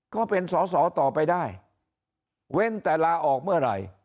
ก็เป็นสอสอต่อไปได้เว้นแต่ลาออกเมื่อไหร่